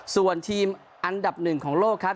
ส่วนทีมอันดับหนึ่งของโลกครับ